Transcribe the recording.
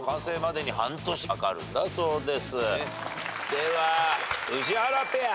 では宇治原ペア。